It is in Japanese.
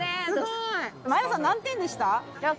前田さん、何点でした？